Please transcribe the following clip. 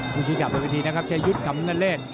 มุชิกลับไปพิธีนะครับชายุทธ์ขำนเลส